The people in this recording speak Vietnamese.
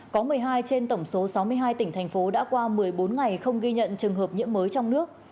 có một mươi hai trên tổng số sáu mươi hai tỉnh thành phố đã qua một mươi bốn ngày không ghi nhận trường hợp nhiễm mới trong nước